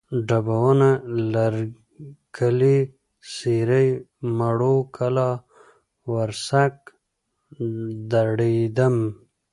ډبونه، لرکلی، سېرۍ، موړو کلا، ورسک، دړیدم